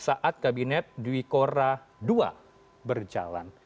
saat kabinet dwi korra ii berjalan